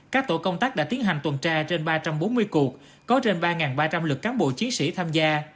các tổ công tác đã tiến hành tuần tra trên ba trăm bốn mươi cuộc có trên ba ba trăm linh lực cán bộ chiến sĩ tham gia